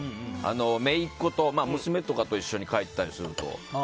めいっ子と、娘とかと帰ったりすると。